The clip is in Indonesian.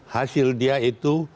hasil dia itu